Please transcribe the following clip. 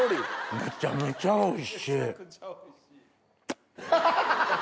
めちゃめちゃおいしい。